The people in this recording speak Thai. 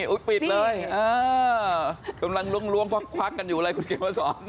อุ๊ยปิดเลยเอ้าเกิดล้วงควากกันอยู่อะไรคุณเขียนมาสอน